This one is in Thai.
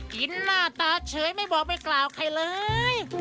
หน้าตาเฉยไม่บอกไม่กล่าวใครเลย